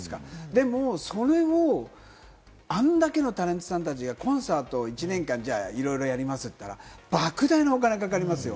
でも、それをあれだけのタレントさんたちがコンサートを１年間いろいろやりますって言ったら、莫大なお金かかりますよ。